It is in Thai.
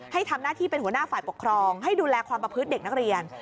ให้ทำหน้าที่เป็นหัวหน้าฝ่ายปกครองให้ดูแลความประพฤติเด็กนักเรียน